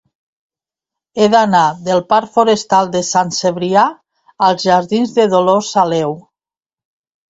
He d'anar del parc Forestal de Sant Cebrià als jardins de Dolors Aleu.